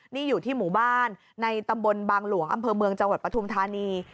นี่อยู่ที่หมู่บ้านในตำบลบางหลวงอำเภอเมืองจังหวัดปฐุมธานี